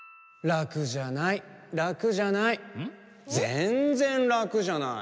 ・ぜんぜんラクじゃない。